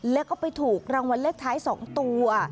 แล้วก็ไปถูกรางวัลเลขท้าย๒ตัว